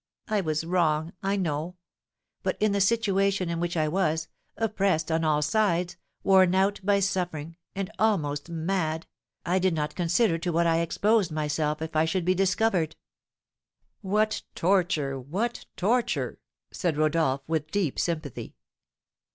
I was wrong, I know; but, in the situation in which I was, oppressed on all sides, worn out by suffering, and almost mad, I did not consider to what I exposed myself if I should be discovered." "What torture! what torture!" said Rodolph with deep sympathy.